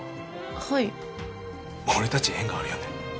はい俺たち縁があるよね